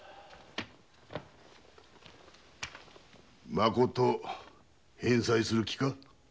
まこと返済する気か？